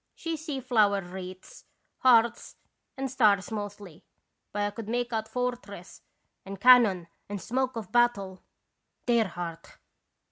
She see flower wreaths, hearts, and stars mostly, but I could make out fortress and can non and smoke of battle. Dear heart